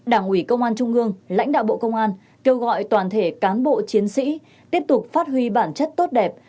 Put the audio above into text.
đảng ủy công an trung ương lãnh đạo bộ công an kêu gọi toàn thể cán bộ chiến sĩ tiếp tục phát huy bản chất tốt đẹp